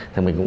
thì mình cũng